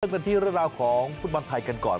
เรื่องกันที่ราวของฟุตบันไทยกันก่อน